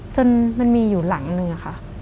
จนมันมีอยู่หลังเนื้อ